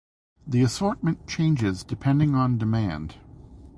The assortment changes depending on demand.